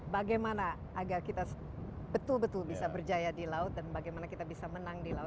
bagaimana agar kita betul betul bisa berjaya di laut dan bagaimana kita bisa menang di laut